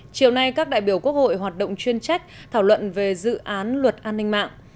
chiều nay các đại biểu quốc hội hoạt động chuyên trách thảo luận về dự án luật an ninh mạng